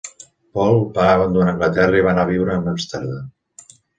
Poole va abandonar Anglaterra i va anar a viure a Amsterdam.